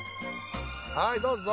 はいどうぞ。